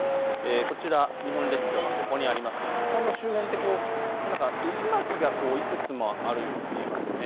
こちら日本列島がここにありますが日本の周辺で渦巻きがいくつもあるように見えますよね。